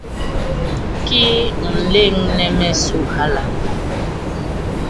Kii u nléñne me su hala?